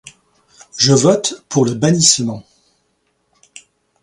Je vote pour le bannissement.